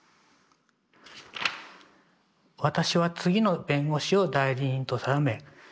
「私は次の弁護士を代理人と定め」。